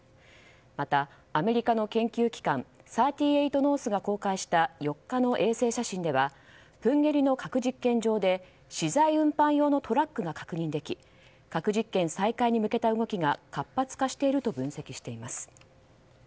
また、アメリカの研究機関３８ノースが公開した４日の衛星写真ではプンゲリの核実験場で資材運搬用のトラックが確認でき核実験再開に向けた動きが活発化していると分析しています。